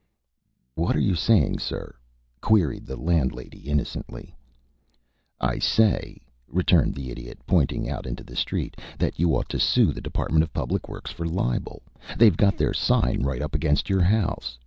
"What are you saying, sir?" queried the landlady, innocently. "I say," returned the Idiot, pointing out into the street, "that you ought to sue the Department of Public Works for libel. They've got their sign right up against your house.